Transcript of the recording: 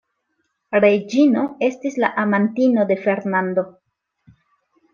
Reĝino estis la amantino de Fernando.